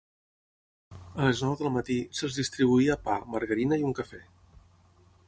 A les nou del matí, se'ls distribuïa pa, margarina i un cafè.